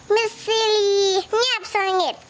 มิสซีรีเนียบเส้นเง็ด